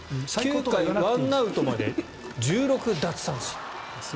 ９回１アウトまで１６奪三振。